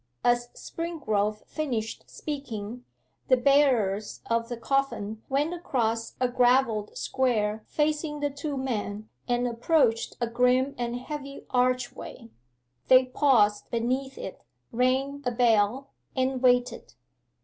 As Springrove finished speaking, the bearers of the coffin went across a gravelled square facing the two men and approached a grim and heavy archway. They paused beneath it, rang a bell, and waited.